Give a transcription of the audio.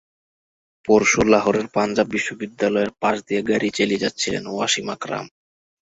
পরশু লাহোরের পাঞ্জাব বিশ্ববিদ্যালয়ের পাশ দিয়ে গাড়ি চালিয়ে যাচ্ছিলেন ওয়াসিম আকরাম।